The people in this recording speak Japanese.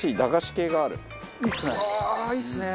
いいですね。